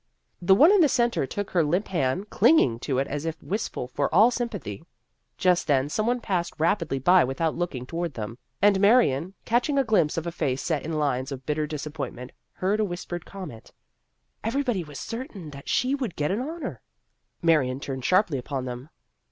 The one in the centre took her limp hand, clinging to it as if wistful for all sympathy. Just then some one passed rapidly by without looking toward them, and Marion, catching a glimpse of a face set in lines of bitter disappointment, heard a whispered comment, " Everybody was certain that she would get an honor." The Career of a Radical 103 Marion turned sharply upon them.